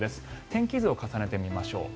天気図を重ねてみましょう。